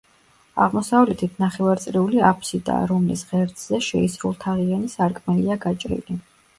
აღმოსავლეთით ნახევარწრიული აფსიდაა, რომლის ღერძზე შეისრულთაღიანი სარკმელია გაჭრილი.